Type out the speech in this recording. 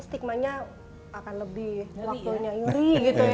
stigma nya akan lebih waktu nyayuri gitu ya